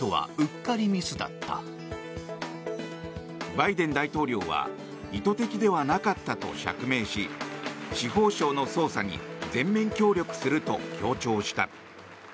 バイデン大統領は意図的ではなかったと釈明し司法省の捜査に全面協力すると強調した。